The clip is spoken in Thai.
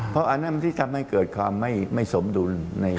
เพราะอันนั้นที่ทำให้เกิดความไม่สมดุล